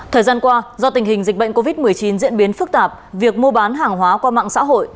thời gian qua do tình hình dịch bệnh covid một mươi chín diễn biến phức tạp việc mua bán hàng hóa qua mạng xã hội